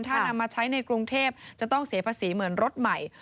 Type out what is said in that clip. ถ้านำมาใช้ในกรุงเทพจะต้องเสียภาษีเหมือนรถใหม่